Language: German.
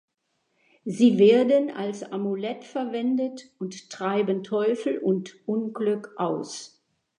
Sie werden als Amulett verwendet und treiben Teufel und Unglück aus.